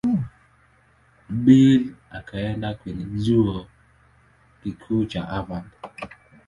Bill akaenda kwenye Chuo Kikuu cha Harvard.